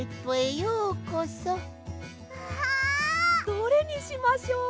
どれにしましょう？